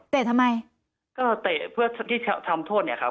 ทำไมก็เตะเพื่อที่ทำโทษเนี่ยครับ